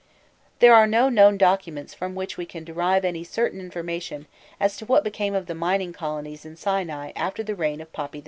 There are no known documents from which we can derive any certain information as to what became of the mining colonies in Sinai after the reign of Papi II.